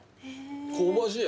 香ばしい。